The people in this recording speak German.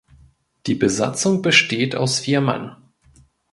Die Besatzung besteht aus vier Mann.